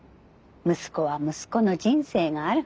「息子は息子の人生がある。